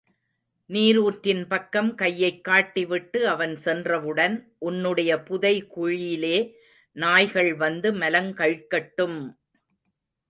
நீருற்றின் பக்கம் கையைக் காட்டி விட்டு அவன் சென்றவுடன், உன்னுடைய புதை குழியிலே நாய்கள் வந்து மலங்கழிக்கட்டும்!